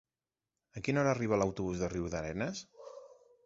A quina hora arriba l'autobús de Riudarenes?